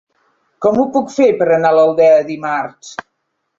Com ho puc fer per anar a l'Aldea dimarts?